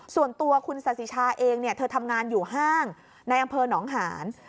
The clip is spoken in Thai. ส่วนตัวคุณสาธิชาเองเธอทำงานอยู่ห้างในอำเภอหนองหาน